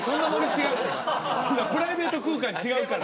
今プライベート空間違うから。